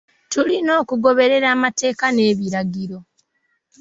Tulina okugoberera amateeka n'ebiragiro.